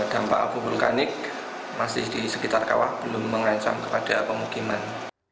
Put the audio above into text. dampak abu vulkanik masih di sekitar kawah belum mengancam kepada pemukiman